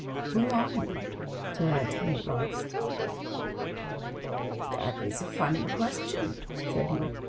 Who are you ?" said I to him at last. " That is a funny question," said he.